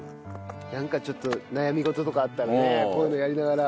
なんかちょっと悩み事とかあったらねこういうのやりながら。